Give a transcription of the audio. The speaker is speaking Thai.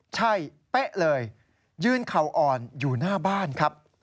ใช่เป๊ะเลยยืนเข่าอ่อนอยู่หน้าบ้านครับ